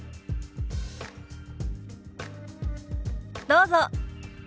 どうぞ。